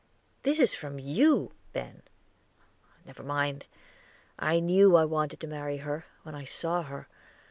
"This is from you, Ben." "Never mind; I knew I wanted to marry her, when I saw her.